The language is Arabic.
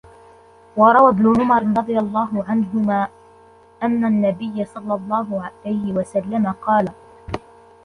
وَرَوَى ابْنُ عُمَرَ رَضِيَ اللَّهُ عَنْهُمَا أَنَّ النَّبِيَّ صَلَّى اللَّهُ عَلَيْهِ وَسَلَّمَ قَالَ